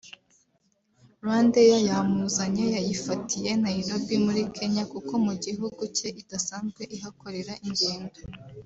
Rwandair yamuzanye yayifatiye Nairobi muri Kenya kuko mu gihugu cye idasanzwe ihakorera ingendo